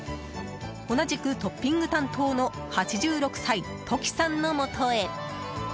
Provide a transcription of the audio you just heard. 同じくトッピング担当の８６歳、トキさんのもとへ。